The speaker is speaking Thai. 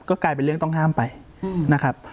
ก็กลายเป็นเรื่องต้องห้ามไปนะครับ